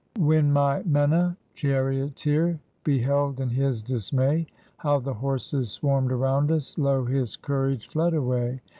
When my Menna, charioteer, beheld in his dismay. How the horses swarmed around us, lo! his courage fled away.